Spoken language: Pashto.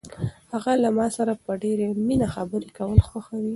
هغه له ما سره په ډېرې مینه خبرې کول خوښوي.